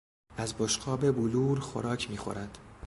از بشقاب بلور خوراک میخورد.